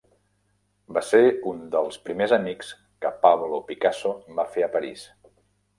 Va ser un dels primers amics que Pablo Picasso va fer a París.